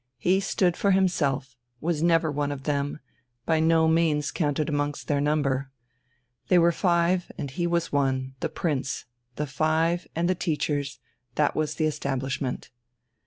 He stood for himself, was never one of them, by no means counted amongst their number. They were five and he was one; the Prince, the five, and the teachers, that was the establishment.